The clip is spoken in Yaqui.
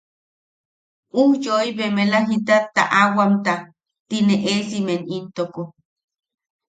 Ujyoi bemela jita taʼawamta tine eesimen into...